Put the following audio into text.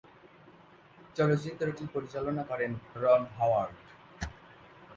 চলচ্চিত্রটি পরিচালনা করেন রন হাওয়ার্ড।